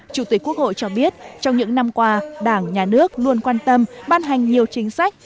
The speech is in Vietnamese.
chủ tịch quốc hội cho biết trong những năm qua đảng nhà nước luôn quan tâm ban hành nhiều chính sách